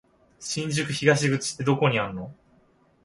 新宿東口ってどこにあんの？